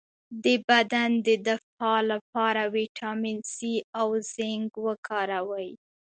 د بدن د دفاع لپاره ویټامین سي او زنک وکاروئ